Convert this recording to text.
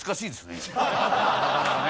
なかなかね。